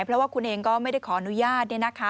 เพราะว่าคุณเองก็ไม่ได้ขออนุญาต